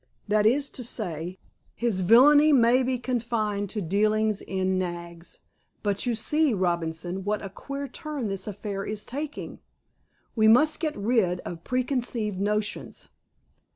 That is to say, his villainy may be confined to dealings in nags. But you see, Robinson, what a queer turn this affair is taking. We must get rid of preconceived notions.